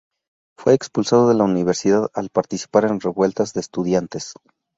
Fue expulsado de la universidad, al participar en revueltas de estudiantes.